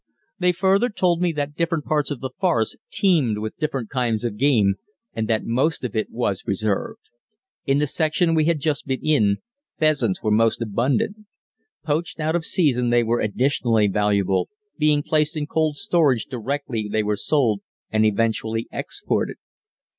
They further told me that different parts of the forest teemed with different kinds of game, and that most of it was preserved. In the section we had just been in, pheasants were most abundant. Poached out of season they were additionally valuable, being placed in cold storage directly they were sold, and eventually exported.